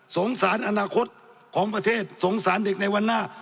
สารอนาคตของประเทศสงสารเด็กในวันหน้า